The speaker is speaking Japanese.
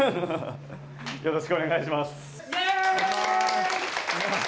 よろしくお願いします。